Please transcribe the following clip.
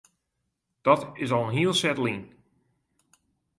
Dat is al in hiel set lyn.